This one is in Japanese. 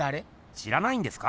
知らないんですか？